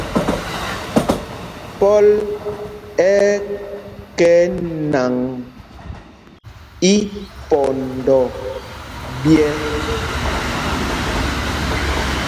Pɔl ɛ́ ɛ́ kɛ nǎŋ ípɔndɔ ɓyɛ̄.